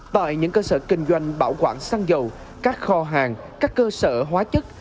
tại những cơ sở kinh doanh bảo quản xăng dầu các kho hàng các cơ sở hóa chất